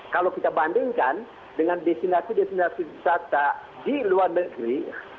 kalau kita bandingkan dengan destinasi destinasi wisata di luar negeri